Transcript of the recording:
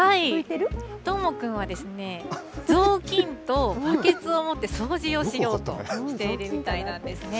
どーもくんは、雑巾とバケツを持って掃除をしようとしているみたいなんですね。